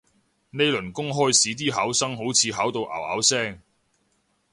呢輪公開試啲考生好似考到拗拗聲